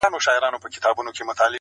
له هيبته به يې تښتېدل پوځونه-